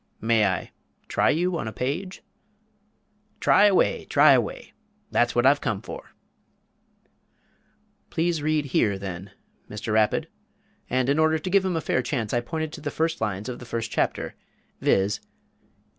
"May I try you on a page?" "Try away, try away; that's what I've come for." "Please read here then, Mr. Rapid;" and in order to give him a fair chance, I pointed to the first lines of the first chapter, viz.